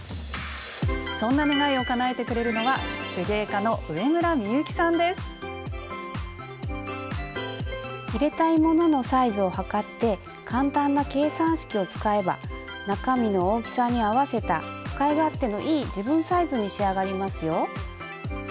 そんな願いをかなえてくれるのは入れたいもののサイズを測って簡単な計算式を使えば中身の大きさに合わせた使い勝手のいい自分サイズに仕上がりますよ。